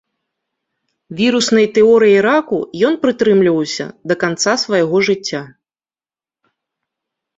Віруснай тэорыі раку ён прытрымліваўся да канца свайго жыцця.